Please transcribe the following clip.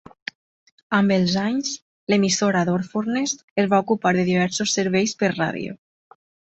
Amb els anys, l'emissora d'Orfordness es va ocupar de diversos serveis per ràdio.